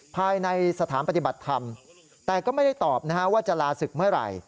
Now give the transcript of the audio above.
ภายในสถานปฏิบัติธรรมแต่ก็ไม่ได้ตอบนะฮะว่าจะลาศึกเมื่อไหร่